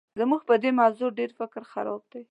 زموږ په دې موضوع ډېر فکر خراب دی.